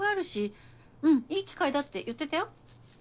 いい機会だって言ってたよ。